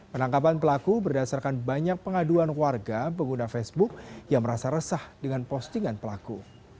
penangkapan pelaku berdasarkan banyak pengaduan warga pengguna facebook yang merasa resah dengan postingan pelaku